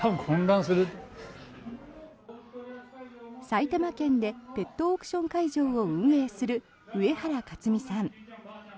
埼玉県でペットオークション会場を運営する上原勝三さん。